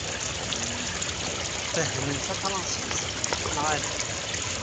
Fehhmen tafṛansist, neɣ ala?